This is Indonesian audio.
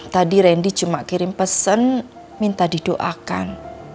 tadi randy cuma kirim pesan minta didoakan